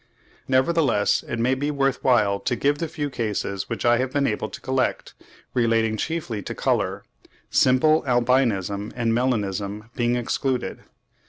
Nevertheless, it may be worth while to give the few cases which I have been able to collect, relating chiefly to colour,—simple albinism and melanism being excluded.